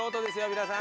皆さん。